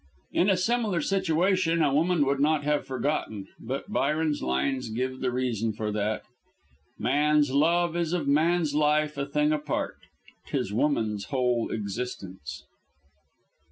In a similar situation a woman would not have forgotten, but Byron's lines give the reason for that: "Man's love is of man's life a thing apart; 'Tis woman's whole existence."